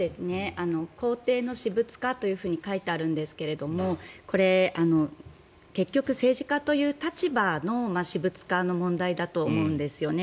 公邸の私物化と書いてあるんですけどこれ、結局政治家という立場の私物化の問題だと思うんですよね。